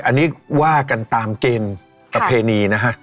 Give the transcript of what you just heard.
อันนี้ว่ากันตามเกณฑ์ประเพณีนะฮะ